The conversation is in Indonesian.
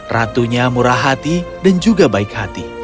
ratunya murah hati dan juga baik hati